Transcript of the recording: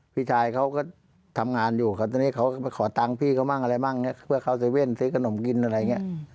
พี่ชายเขาก็ทำงานอยู่ครับตอนนี้เขาก็มาขอตังค์พี่เขามั่งอะไรมั่งเพื่อเข้าเว่นซื้อขนมกินอะไรอย่างนี้